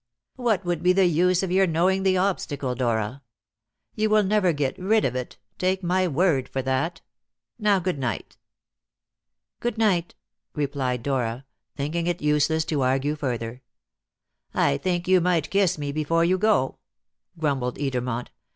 "What would be the use of your knowing the obstacle, Dora? You will never get rid of it take my word for that. Now good night." "Good night," replied Dora, thinking it useless to argue further. "I think you might kiss me before you go," grumbled Edermont.